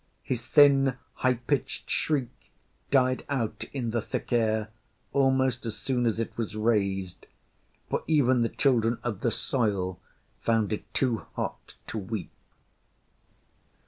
His thin, high pitched shriek died out in the thick air almost as soon as it was raised; for even the children of the soil found it too hot to weep.